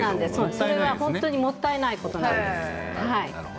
それは本当にもったいないです。